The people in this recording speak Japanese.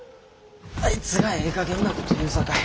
あいつがええかげんなこと言うさかい。